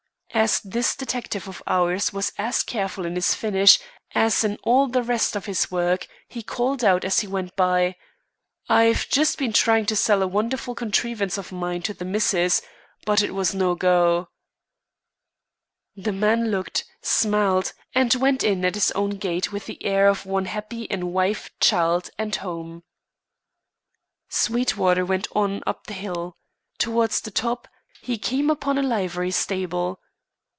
As this detective of ours was as careful in his finish as in all the rest of his work, he called out as he went by: "I've just been trying to sell a wonderful contrivance of mine to the missus. But it was no go." The man looked, smiled, and went in at his own gate with the air of one happy in wife, child, and home. Sweetwater went on up the hill. Towards the top, he came upon a livery stable.